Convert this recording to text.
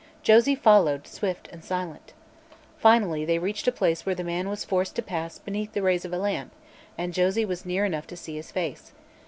Josie followed, swift and silent. Finally they reached a place where the man was forced to pass beneath the rays of a lamp and Josie was near enough to see his face.